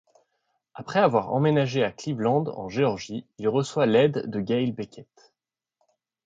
Après avoir emménagé à Cleveland en Georgie, il reçoit l'aide de Gail Becket.